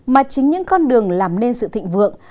mà chính những con đường làm nên sự thịnh vượng